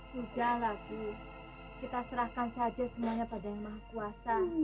kita serahkan saja semuanya pada yang maha kuasa